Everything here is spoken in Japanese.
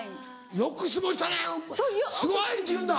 「よく質問したねすごい！」って言うんだ。